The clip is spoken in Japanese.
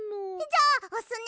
じゃあおすね！